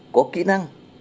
có kỹ năng